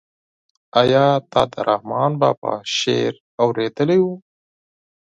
آیا تا د رحمان بابا شعر اورېدلی و؟